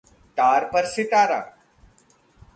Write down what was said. तार पर सितारा